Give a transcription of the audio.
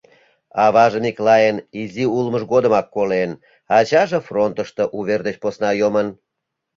Аваже Миклайын изи улмыж годымак колен, ачаже фронтышто увер деч посна йомын.